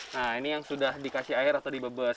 nah ini yang sudah dikasih air atau dibeber